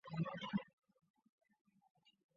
他入选了大十二区的第二阵容和最佳新秀阵容。